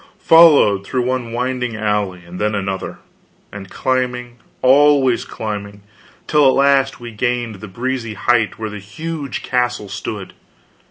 Followed through one winding alley and then another, and climbing, always climbing till at last we gained the breezy height where the huge castle stood.